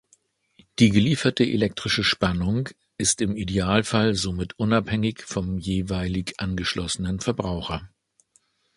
Die gelieferte elektrische Spannung ist im Idealfall somit unabhängig vom jeweilig angeschlossenen Verbraucher.